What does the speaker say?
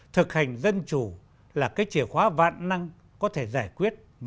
thực hành dân chủ là cái chìa khóa vạn năng có thể giải quyết mọi khó khăn